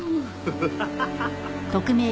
ハハハハッ！